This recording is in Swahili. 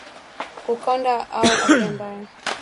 Kukonda au Afya mbaya